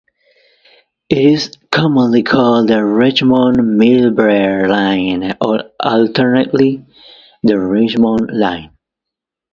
It is commonly called the Richmond-Millbrae line, or alternatively the Richmond line.